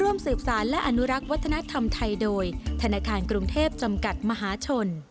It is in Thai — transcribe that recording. ร่วมสืบสารและอนุรักษ์วัฒนธรรมไทยโดยธนาคารกรุงเทพจำกัดมหาชน